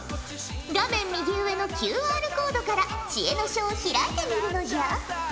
画面右上のＱＲコードから知恵の書を開いてみるのじゃ。